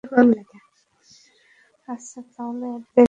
আচ্ছা, তাহলে আর দেরি কিসের?